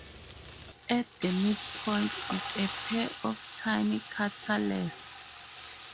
At the midpoint is a pair of tiny craterlets.